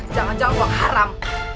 jangan jangan uang haram